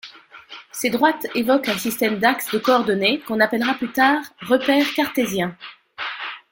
Ces droites évoquent un système d'axes de coordonnées qu'on appellera plus tard repère cartésien.